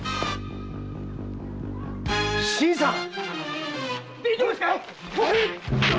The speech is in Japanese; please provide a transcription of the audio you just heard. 新さん！